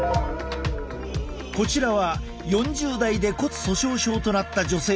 こちらは４０代で骨粗しょう症となった女性の骨密度の平均値。